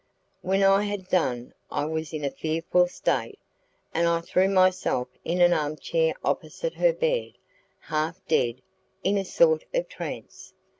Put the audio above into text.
When I had done I was in a fearful state, and I threw myself in an arm chair opposite her bed, half dead, in a sort of trance.